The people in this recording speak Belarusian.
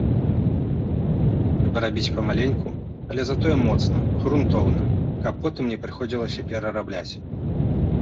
Трэба рабіць памаленьку, але затое моцна, грунтоўна, каб потым не прыходзілася перарабляць.